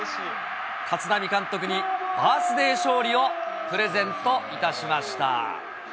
立浪監督にバースデー勝利をプレゼントいたしました。